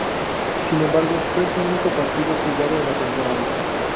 Sin embargo, fue su único partido jugado en la temporada.